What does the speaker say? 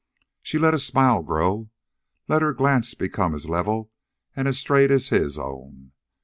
She let a smile grow, let her glance become as level and as straight as his own.